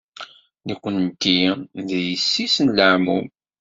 Nekkenti d yessi-s n leɛmum.